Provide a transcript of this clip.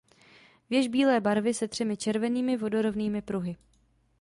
Věž bílé barvy se třemi červenými vodorovnými pruhy.